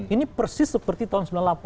ini persis seperti tahun sembilan puluh delapan